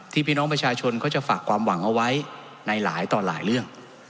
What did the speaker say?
พี่น้องประชาชนเขาจะฝากความหวังเอาไว้ในหลายต่อหลายเรื่อง